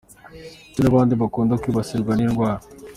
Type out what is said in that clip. Ese ni bande bakunda kwibasirwa n’iyi ndwara?.